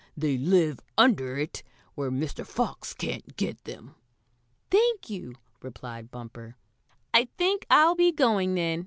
They live under it where Mr. Fox can't get them." "Thank you," replied Bumper. "I think I'll be going, then.